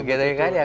gitu kan ya